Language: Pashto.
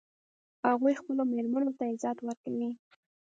هغوی خپلو میرمنو ته عزت ورکوي